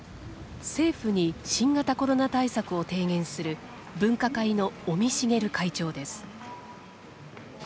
政府に新型コロナ対策を提言する分科会の尾身茂会長です。